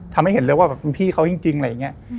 ทำให้เห็นเลยว่าแบบเป็นพี่เขาจริงอะไรอย่างนี้